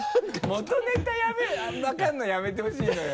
元ネタ分かるのやめてほしいのよ